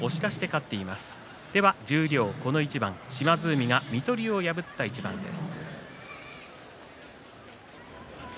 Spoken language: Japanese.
十両この一番島津海が水戸龍を破った取組です。